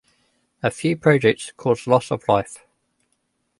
A few projects caused loss of life.